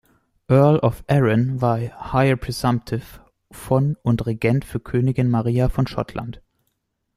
Earl of Arran, war Heir Presumptive von und Regent für Königin Maria von Schottland.